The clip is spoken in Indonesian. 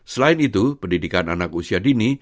selain itu pendidikan anak usia dini